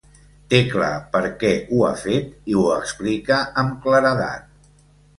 Té clar per què ho ha fet i ho explica amb claredat.